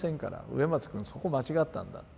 植松くんそこ間違ったんだ。